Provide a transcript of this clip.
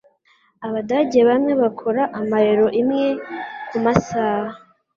Abadage bamwe bakora amayero imwe kumasaha.